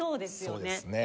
そうですね。